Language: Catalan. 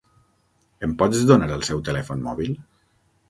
Em pots donar el seu telèfon mòbil?